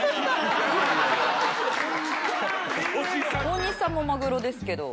大西さんもマグロですけど。